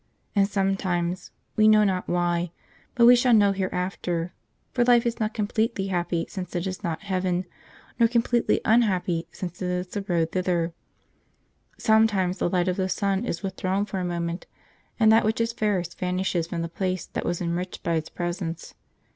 And sometimes we know not why, but we shall know hereafter, for life is not completely happy since it is not heaven, nor completely unhappy since it is the road thither sometimes the light of the sun is withdrawn for a moment, and that which is fairest vanishes from the place that was enriched by its presence.